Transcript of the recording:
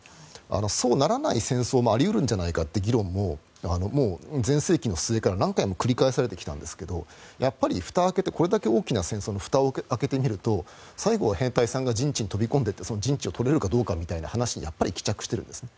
そうならない戦争もあり得るんじゃないかという議論ももう前盛期の末から何回も繰り返されてきたんですがこれだけ大きな戦争のふたを開けてみると最後は兵隊さんが陣地に飛び込んでいってその陣地を取れるかどうかみたいな話にやっぱり帰着してるんですね。